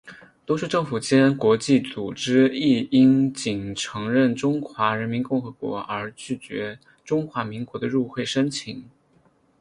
多数政府间国际组织亦因仅承认中华人民共和国而拒绝中华民国的入会申请。